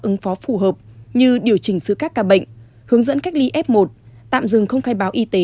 ứng phó phù hợp như điều chỉnh giữa các ca bệnh hướng dẫn cách ly f một tạm dừng không khai báo y tế